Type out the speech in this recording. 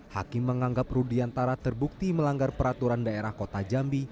hakim menganggap rudiantara terbukti melanggar peraturan daerah kota jambi